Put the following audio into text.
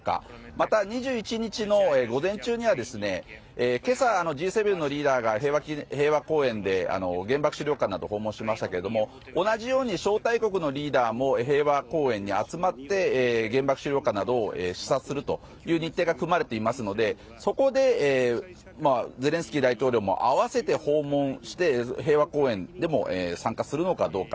また、２１日の午前中には今朝、Ｇ７のリーダーが平和公園で原爆資料館などを訪問しましたが同じように招待国のリーダーも平和公園に集まって原爆資料館などを視察するという日程が組まれていますのでそこで、ゼレンスキー大統領も併せて訪問して平和公園でも参加するのかどうか。